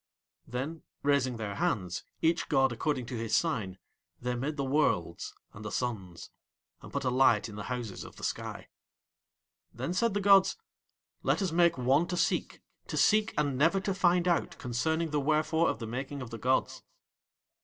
Then raising Their hands, each god according to his sign, They made the worlds and the suns, and put a light in the houses of the sky. Then said the gods: "Let Us make one to seek, to seek and never to find out concerning the wherefore of the making of the gods."